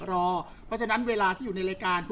เพราะฉะนั้นเวลาที่อยู่ในรายการ